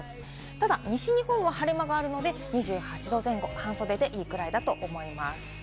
ただ西日本は晴れ間があるので、２８度前後、半袖でいいくらいだと思います。